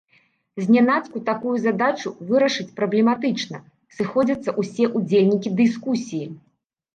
Знянацку такую задачу вырашыць праблематычна, сыходзяцца ўсе ўдзельнікі дыскусіі.